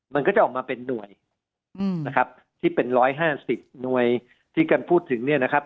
มันก็จะออกมาเป็นหน่วยนะครับที่เป็น๑๕๐หน่วยที่กันพูดถึงเนี่ยนะครับ